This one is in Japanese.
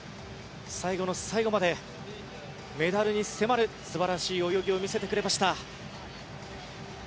最後の最後までメダルに迫る素晴らしい泳ぎを見せてくれました。